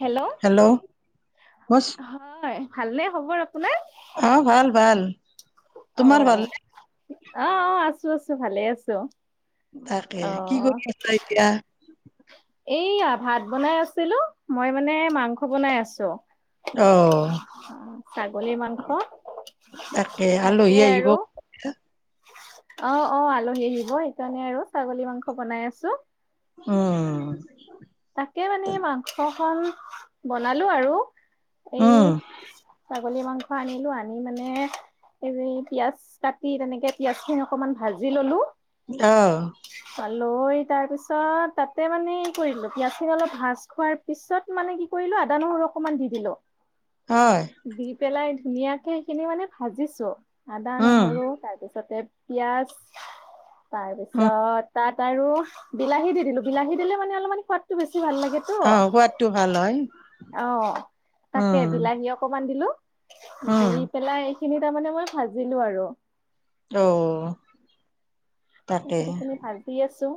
Hello বছ হয় ভালনে খবৰ আপোনাৰ? অ ভাল ভাল অ তোমাৰ ভাল নে? অ অ অ আছো আছো ভালে আছো। তাকে কি অ', কৰি আছা এতিয়া? এইয়া ভাত বনাই আছিলো মই মানে মাংস বনাই আছোঁ। অ ছাগলীৰ মাংস তাকে আলহী আহিব। অ অ আলহী আহিব সেইকাৰণে আৰু ছাগলী মাংস বনাই আছোঁ। উম তাকে মানে মাংস খন বনালো আৰু এই উম ছাগলী মাংস আনিলো আনি মানে এ পিয়াজ কাটি তেনেকে পিয়াজ খিনি অকনমান ভাজি ললোঁ অ তাৰপিছত তাতে মানে ই কৰিলোঁ পিয়াজখিনি অলপ ভাজ খোৱাৰ পিছত মানে কি কৰিলো আদা নহৰু অকমান দি দিলোঁ। হয় দি পেলাই ধুনীয়াকে সেইখিনি মানে ভাজিছো আদা উম নহৰু তাৰপিছতে পিয়াজ উম তাৰপিছত তাত আৰু বিলাহী দি দিলো বিলাহী দিলে মানে অলপমান সোৱাদ ভাল লাগ তো আহ সোৱাদটো ভাল হয় অ তাকে উম বিলাহী অকমান দিলো। উম দি পেলাই এইখিনি তাৰমানে মই ভাজিলো আৰু অ তাৰ তাকে পিছত সেইখিনি ভাজি আছো।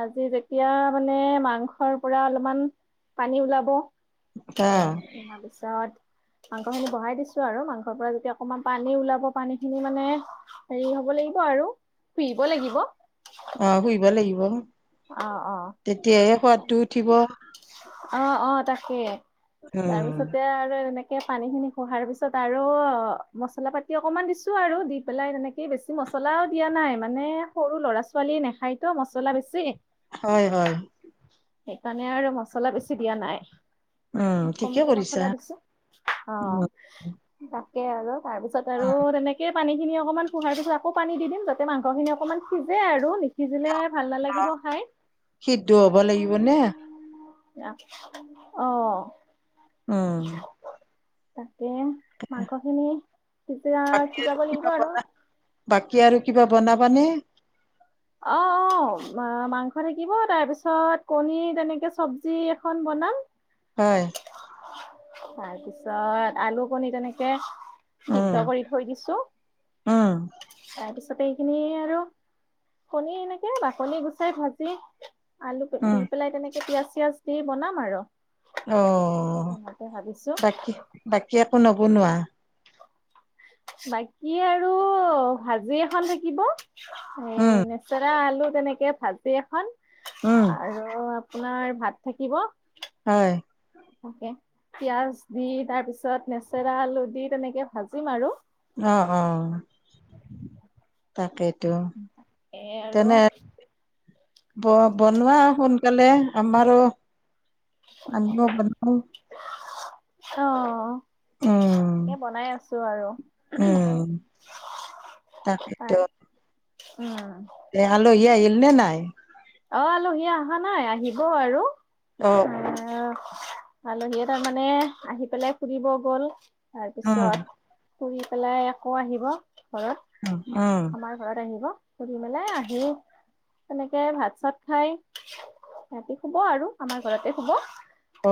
আজি যেতিয়া মানে মাংসৰ পৰা অলপমান পানী ওলাব। তা তাৰপিছত মাংস খিনি বহাই দিছো আৰু মাংসৰ পৰা যেতিয়া অকমান পানী ওলাব পানী খিনি মানে হেৰি হ'ব লব লাগিব আৰু পিব লাগিব অ শুইব অ অ অ হে সোৱাদটো উঠিব অ অ তাকেই, উম তাৰপিছতে আৰু এনেক- কে পানী খিনি খোহাৰ পিছত আৰু মছলা পাতি অকনমান দিছো আৰু দি পেলাই তেনেকে বেছি মছ- মছলাও দিয়া নাই মানে সৰু ল'ৰা ছোৱালীয়ে নাখায়তো মচলা বেছি হয় হয় সেইকাৰণে আৰু মছলা বেছি দিয়া নাই। উম ঠিকে কমকে কৰিছা মচলা দিছো অ উম কে আৰু তাৰ পিছত আৰু উম তেনেকে পানীখিনি অকণমান পোহাৰ পিছত আকৌ পানী দি দিম যাতে মাংসখিনি অকণমান সিজে আৰু নিসিজিলে ভাল অ নালাগিব খাই সিদ্ধ হব লাগিব নে অ অ উ তাকে মাংস খিনি তেতিয়া বাকী আৰু সিজাব লাগিব কিবা আৰু। বনা বাকী আৰু কিবা বনাবানে অ অ মাংস থাকিব তাৰ পিছত কণী তেনেকে চবজি এখন ব বনাম হয় তাৰপিছত আলু কণীৰ তেনেকে উম সিদ্ধ কৰি থৈ দিছো উম তাৰপিছতে এইখিনি আৰু কণী এনেকে বাকলি গুচাই ভাজি আলু উম দি পেলাই তেনেকে পিয়াজ পিঁয়াজ দি বনাম আৰু অ তেনেকে ভাবিছো বাকী বাকী একো নবনোৱা বাকী আৰু ভাজি এখন থাকিব এই উম লেচৰা আলু তেনেকে ভাজি এখন উম আৰু আপোনাৰ ভাত থাকিব হয় তে পিয়াজ দি তাৰ পিছত লেচেৰা আলু দি তেনেকে ভাজিম আৰু অ অ তাকেই এ আৰু ব বনোৱা সোনকালে আমাৰো [unintelligible] অ উম তাকে বনাই আছো আৰু তাকে টো তাৰ উম এ আলহী আহিল নে নাই অ আলহী অহা নাই আহিব আৰু অ এ আলহীয়ে তাৰমানে আহি পেলাই ফুৰিব গল উম তাৰপিছত ফুৰি পেলাই আকৌ আহিব ঘৰত উম উম আমাৰ ঘৰত আহিব ফুৰি মেলাই আহি তেনেকে ভাত ছাত খাই সিহঁতি শুব আৰু আমাৰ ঘৰতে শুব অ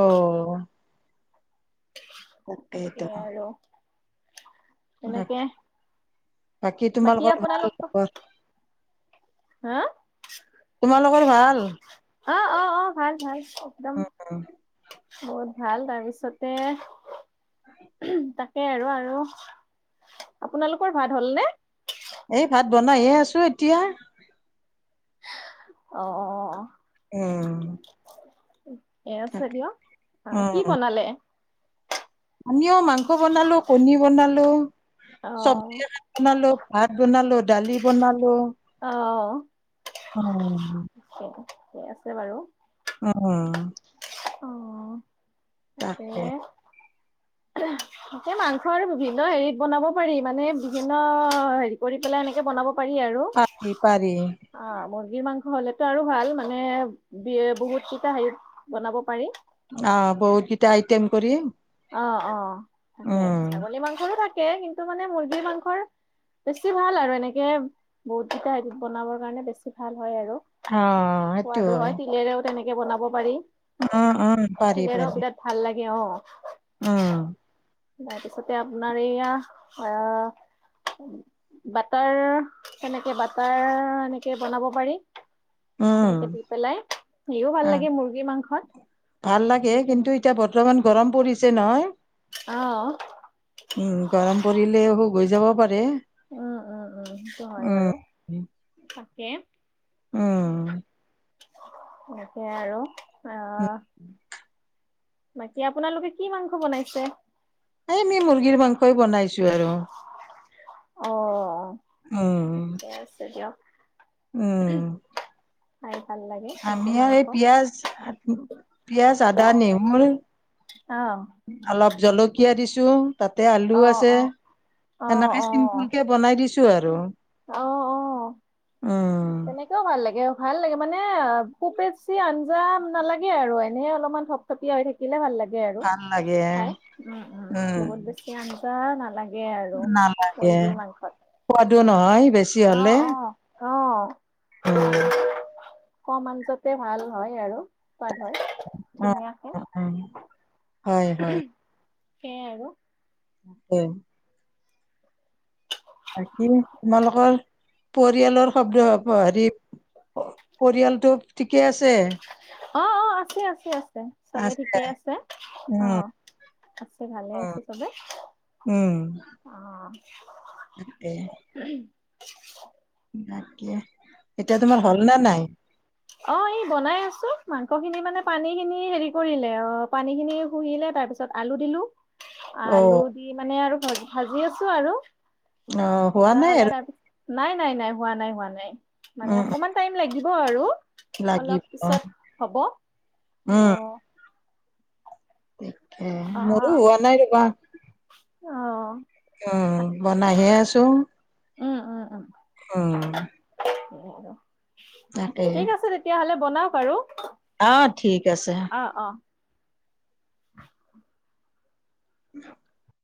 তাকে ত তেনেকে বাকী তোমালোকৰ ভাল আপোনালোকটো। খবৰ হা তোমালোকৰ ভাল অ অ অ ভাল ভাল একদম উম বহুত ভাল তাৰপিছতে তাক সেই আৰু আৰু আপোনালোকৰ ভাত হ'ল নে বনাই হে আছো এতিয়া। অ অ অ উম এ আছে দিয়ক আহ কি উম বনালে। আমিও মাংস বনালো কণী বনালো। অ চব্জি এখন বনালো ভাত বনালো দালি বনালো। অহ অ সি আছে বাৰু অ অ তাকে এহ এতিয়া মাংস আৰু বিভিন্ন হেৰিত বনাব পাৰি মানে বিভিন্ন হেৰি কৰি পেলাই এনেকে বনাব পাৰি আৰু পাৰি পাৰি অ মুৰ্গী মাংস। হ'লেটো আৰু ভাল মানে বি বহুত কেইটা হেৰিত বনাব পাৰি। অ বহুত কেটা আইটিয়েম কৰি অ অ থাকে উম, ছাগলী মাংসৰো থাকে কিন্তু মানে মুৰ্গী মাংসৰ বেছি ভাল আৰু এনেকে বহুতকেইটা হেৰিত বনাবৰ কাৰণে বেছি ভাল। হয় আৰু অ সোৱাদো হয় তিলেৰেও তেনেকে বনাব পাৰি উম উম তিলৰো বিৰাট ভাল লাগে অ। অ তাৰপিছতে আপোনাৰ এইয়া অহ বাটাৰ কেনেকে বাটাৰ এনেকে বনাব পাৰি। উম তেনেকে দি পেলাই সেও অ ভাল লাগে মুৰ্গীৰ মাংসত। ভাল লাগে কিন্তু এতিয়া বৰ্তমান গৰম পৰিছে নহয় আহ উ গৰম পৰিলে ও বৈ যাব পাৰে। উম উম উম সেইটো হয় উম বাৰু তাকে। উম তাকে আৰু আহ [unintelligible] বাকী আপোনালোকে কি মাংস বনাইছে এ এনেই মুৰ্গীৰ মাংসই বনাইছো আৰু অ উম ঠিকে আছে দিয়ক উম খাই ভাল লাগে আমি মুৰ্গী আৰু এই মাংস পিয়াজ পিয়াজ আদা নেমু আহ অলপ জলকীয়া দিছো তাতে আলু অ আছে। অ অ সেনেকে অ চিম্পুল কে বনাই দিছো আৰু অ অ উম। তেনেকেও ভাল লাগে ভাল লাগে। মানে অ পুপেচি আঞ্জা নালাগে আৰু এনে অলপমান থপথপিয়া হৈ থাকিলে ভাল লাগে। আৰু ভাল লাগে খাই উম উম বহুত বেছি আঞ্জা নালাগে। আৰু নালাগে মুৰ্গীৰ মাংসত সোৱাদো নহয়। বেছি হ'লে অ', অ'। অ', উম। কম আঞ্জাতে ভাল হয় আৰু সোৱাদ হয় অ'। ধুনীয়াকে। হয়, উমহ হয় সেয়াই আৰু। তাকে বাকী তোমালোকৰ পৰিয়ালৰ শব্দ হেৰি প পৰিয়ালটো ঠিকে আছে অ অ আছে আছে আছে চবে ঠিকে আছে অ। উম, আছে ভালে উম। আছে চবে। উম। অ', তাকে তাকে। এতিয়া তোমাৰ হ'ল নে নাই অ অ ই বনাই আছো মাংস খিনি মানে পানী খিনি হেৰি কৰিলে অ পানী খিনি শুহিলে তাৰ পিছত আলু দিলো। অ আলু দি মানে আৰু ভ ভাজি আছোঁ আৰু অ হোৱা ভজা নাই হ'লে আৰু তাৰপিছত নাই নাই নাই হোৱা নাই হোৱা নাই মানে উম অকমান টাইম লাগিব আৰু উম লাগিব অলপ পিছত হ'ব। সেইটোৱে মোৰো হোৱা নাই ৰবা। অ। উম বনাইহে আছোঁ। উম উম উম। উম। ঠিক আছে তেতিয়াহলে বনাওক আৰু অহ ঠিক আছে। অ অ [inaudible]